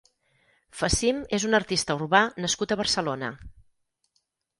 Fasim és un artista urbà nascut a Barcelona.